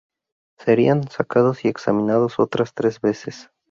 Serían sacados y examinados otras tres veces.